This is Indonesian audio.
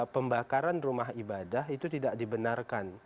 pembakaran rumah ibadah itu tidak dibenarkan